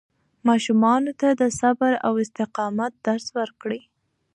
ماشومانو ته د صبر او استقامت درس ورکړئ.